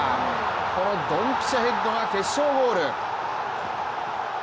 このドンピシャヘッドが決勝ゴール。